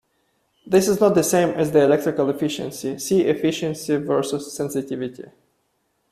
This is not the same as the electrical efficiency; see Efficiency versus sensitivity.